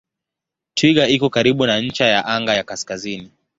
Twiga iko karibu na ncha ya anga ya kaskazini.